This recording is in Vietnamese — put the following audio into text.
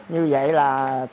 như vậy là